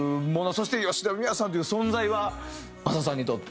そして吉田美和さんという存在はマサさんにとって？